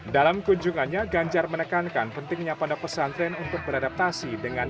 dalam kunjungannya ganjar menekankan pentingnya pondok pesantren untuk beradaptasi dengan